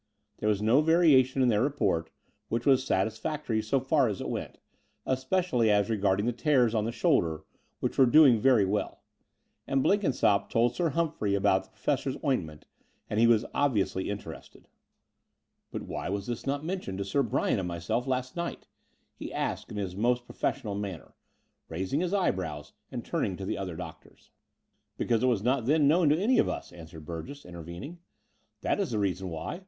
There was no variation in their report, which was satisfactory so far as it went, especially as regarded the tears on the shoulder, which were doing very well: and Blenkinsopp told Sir Hum phrey about the Professor's ointment, and he was obviously interested. "But why was this not mentioned to Sir Bryan and myself last night? he asked in his most pro fessional manner, raising his eyebrows and turning to the other doctors. 96 The Door of the Unreal ''Because it was not then known to any of us," answered Burgess, intervening; "that is the reason why.